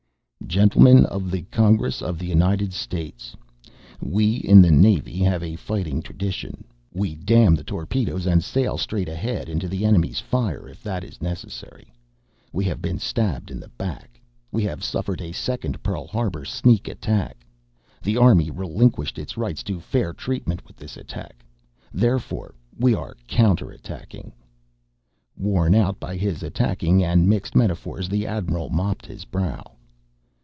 "Gentlemen of the Congress of the United States. We in the Navy have a fighting tradition. We 'damn the torpedoes' and sail straight ahead into the enemy's fire if that is necessary. We have been stabbed in the back we have suffered a second Pearl Harbor sneak attack! The Army relinquished its rights to fair treatment with this attack. Therefore we are counter attacking!" Worn out by his attacking and mixed metaphors, the Admiral mopped his brow.